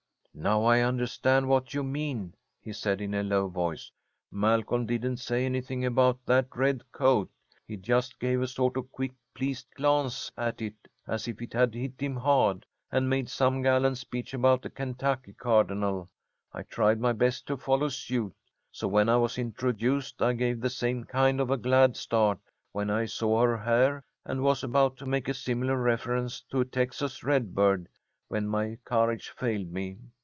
"Now I understand what you mean," he said, in a low voice. "Malcolm didn't say anything about that red coat. He just gave a sort of quick, pleased glance at it, as if it had hit him hard, and made some gallant speech about a Kentucky cardinal. I tried my best to follow suit. So when I was introduced, I gave the same kind of a glad start when I saw her hair, and was about to make a similar reference to a Texas redbird, when my courage failed me.